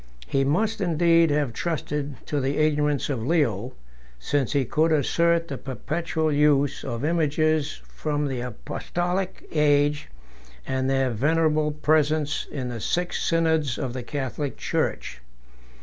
He must indeed have trusted to the ignorance of Leo, since he could assert the perpetual use of images, from the apostolic age, and their venerable presence in the six synods of the Catholic church.